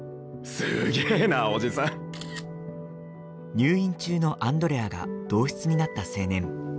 入院中のアンドレアが同室になった青年。